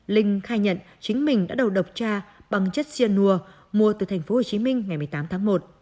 linh khai nhận chính mình đã đầu độc cha bằng chất cyanur mua từ tp hcm ngày một mươi tám tháng một